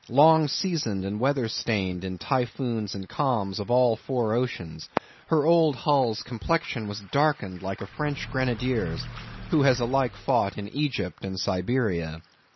Long seasoned and weather stained in the typhoons and calms of all four oceans, her old hull's complexion was darkened like a French grenadier's, who has alike fought in Egypt and Siberia.